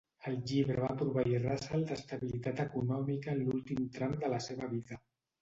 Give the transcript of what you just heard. El llibre va proveir Russell d'estabilitat econòmica en l'últim tram de la seva vida.